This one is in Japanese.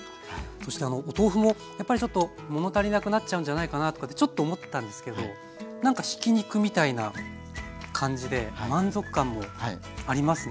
そしてお豆腐もやっぱりちょっともの足りなくなっちゃうんじゃないかなとかってちょっと思ったんですけど何かひき肉みたいな感じで満足感もありますね。